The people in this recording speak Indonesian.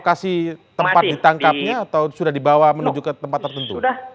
lekasnya sudah di lokasi tempat ditangkapnya atau sudah di bawah menuju ke tempat tertentu